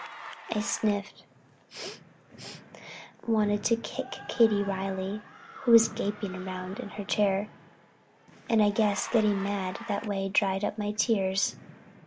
I sniffed, wanting to kick Katie Reilly, who was gaping round in her chair, and I guess getting mad that way dried up my tears.